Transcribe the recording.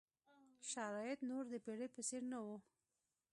شرایط نور د پېړۍ په څېر نه وو.